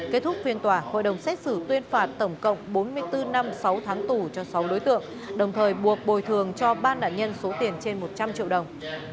kết thúc phiên tòa hội đồng xét xử tuyên phạt tổng cộng bốn mươi bốn năm sáu tháng tù cho sáu đối tượng đồng thời buộc bồi thường cho ba nạn nhân số tiền trên một trăm linh triệu đồng